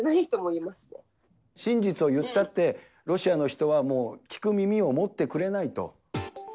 真実を言ったって、ロシアの人はもう聞く耳を持ってくれないと。